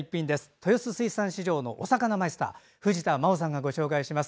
豊洲水産市場のお魚マイスター藤田真央さんがご紹介します。